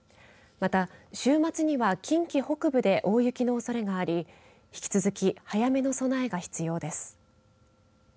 また週末には近畿北部で大雪のおそれがあり引き続き早めの備えが必要です。